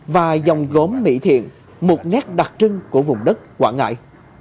và dòng gốm mỹ thiện một nét đặc trưng của vùng đất quảng ngãi